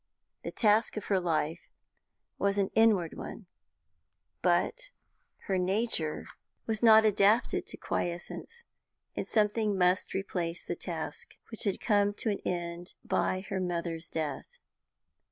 The task of her life was an inward one, but her nature was not adapted to quiescence, and something must replace the task which had come to an end by her mother's death.